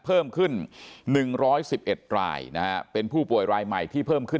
เพิ่มขึ้น๑๑๑รายเป็นผู้ป่วยรายใหม่ที่เพิ่มขึ้น